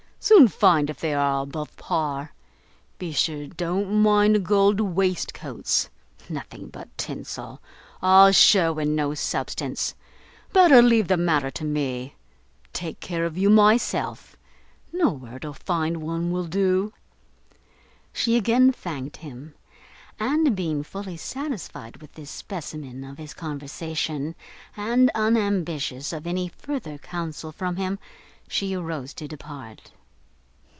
soon find if they are above par. Be sure don't mind gold waistcoats; nothing but tinsel, all shew and no substance; better leave the matter to me; take care of you myself; know where to find one will do." She again thanked him; and, being fully satisfied with this specimen of his conversation, and unambitious of any further counsel from him, she arose to depart.